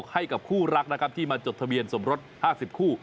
ให้กับคู่รักนะครับที่มาจดทะเบียนสมรส๕๐คู่